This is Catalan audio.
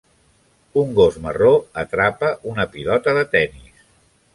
Un gos marró atrapa una pilota de tennis.